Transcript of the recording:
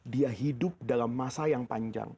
dia hidup dalam masa yang panjang